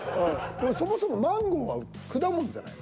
でもそもそもマンゴーは果物じゃないの？